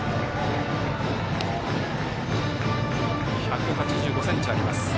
１８５ｃｍあります。